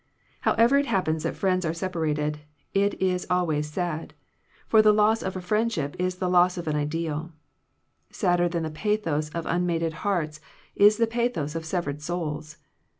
However it happen that friends are separated, it is always sad; for the loss of a friendship is the loss of an ideaL Sadder than the pathos of unmated hearts is the pathos of severed souls.